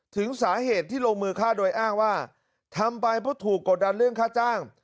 ถึงสาเหตุที่ลงมือฆ่าโดยอ้างว่าทำไปเพราะถูกกดดันเรื่องค่าจ้าง